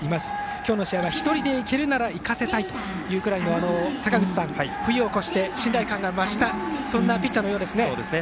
今日の試合は１人でいけるならいかせたいというぐらい坂口さん、冬を越して信頼感が増したピッチャーのようですね。